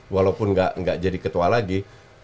walaupun nggak jadi ketua lagi